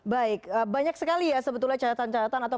baik banyak sekali ya sebetulnya catatan catatan atau